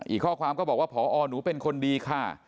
อีกข้อความก็บอกว่าพอหนูเป็นคนดีค่ะ